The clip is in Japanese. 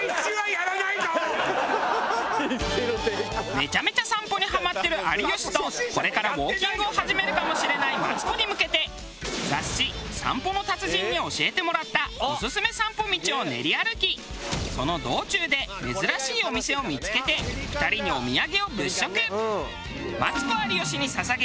めちゃめちゃ散歩にハマってる有吉とこれからウォーキングを始めるかもしれないマツコに向けて雑誌『散歩の達人』に教えてもらったオススメ散歩道を練り歩きその道中で珍しいお店を見つけて２人にお土産を物色。